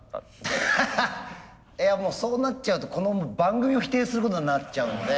いやもうそうなっちゃうとこの番組を否定することになっちゃうので。